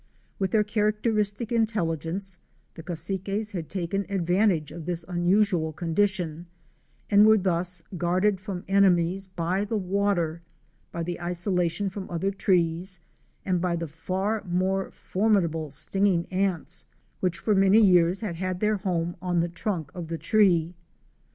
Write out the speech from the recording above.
With their characteristic intelligence, the Cassiques had taken advan tage of this unusual condition, and were thus guarded from enemies, by the water, by the isolation from other trees and by the far more formidable stinging ants which probably for many years had had their home on the trunk of the tree.